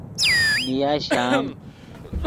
نیا شام